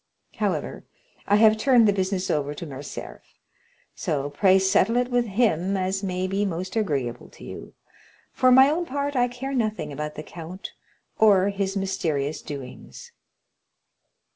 However, I have turned the business over to Morcerf, so pray settle it with him as may be most agreeable to you; for my own part, I care nothing about the count or his mysterious doings."